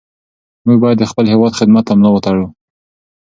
موږ باید د خپل هېواد خدمت ته ملا وتړو.